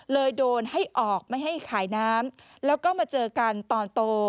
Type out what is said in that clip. โดนให้ออกไม่ให้ขายน้ำแล้วก็มาเจอกันตอนโต